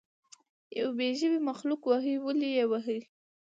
یو بې ژبې مخلوق وهئ ولې یې وهئ.